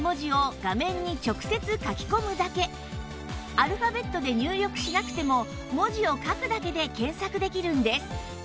アルファベットで入力しなくても文字を書くだけで検索できるんです